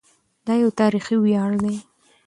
دا یو تاریخي ویاړ دی.